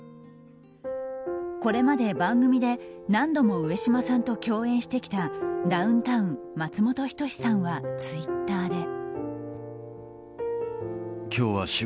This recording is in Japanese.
これまで番組で何度も上島さんと共演してきたダウンタウン、松本人志さんはツイッターで。